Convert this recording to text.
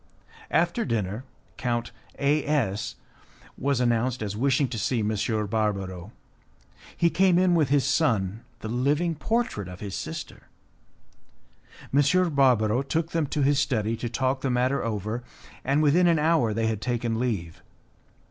After dinner Count A S was announced as wishing to see M. Barbaro. He came in with his son, the living portrait of his sister. M. Barbaro took them to his study to talk the matter over, and within an hour they had taken leave.